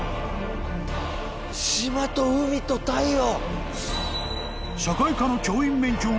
島と海と太陽。